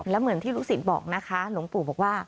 แล้วเหมือนที่ลูกศิษย์บอกนะคะหลวงปู่บอกว่า